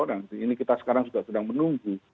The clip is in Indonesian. dan ini kita sekarang sudah sedang menunggu